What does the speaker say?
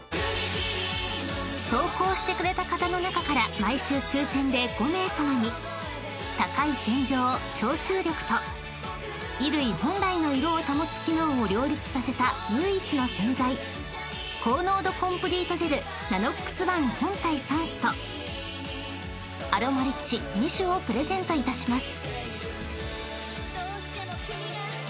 ［投稿してくれた方の中から毎週抽選で５名さまに高い洗浄消臭力と衣類本来の色を保つ機能を両立させた唯一の洗剤高濃度コンプリートジェルＮＡＮＯＸｏｎｅ本体３種とアロマリッチ２種をプレゼントいたします］